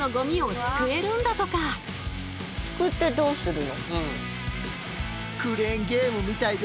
すくってどうするの？